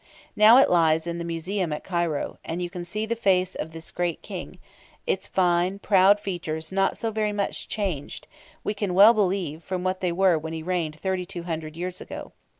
Now it lies in the museum at Cairo, and you can see the face of this great King, its fine, proud features not so very much changed, we can well believe, from what they were when he reigned 3,200 years ago.